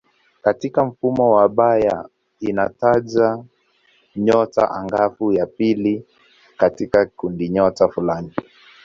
Katika mfumo wa Bayer inataja nyota angavu ya pili katika kundinyota fulani.